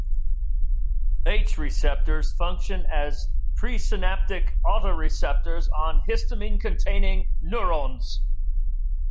H receptors function as presynaptic autoreceptors on histamine-containing neurons.